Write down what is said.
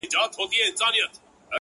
له ځانه ووتلم «نه» ته چي نه ـ نه وويل _